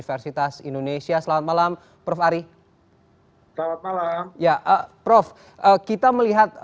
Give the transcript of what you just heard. prof kita melihat